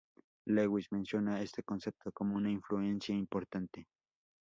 Lewis menciona este concepto como una influencia importante.